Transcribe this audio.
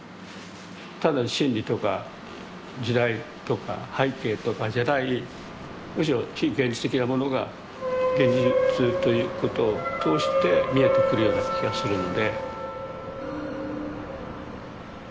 単なる心理とか時代とか背景とかじゃないむしろ非現実的なものが現実ということを通して視えてくるような気がするので。